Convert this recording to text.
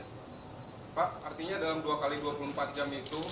pak artinya dalam dua x dua puluh empat jam itu